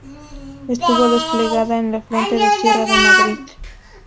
Estuvo desplegada en el frente de la Sierra de Madrid.